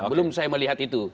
belum saya melihat itu